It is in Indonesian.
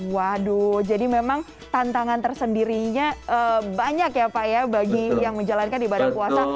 waduh jadi memang tantangan tersendirinya banyak ya pak ya bagi yang menjalankan ibadah puasa